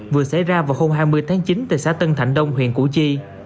vừa xảy ra vào hôm hai mươi tháng chín tại xã tân thạnh đông huyện củ chi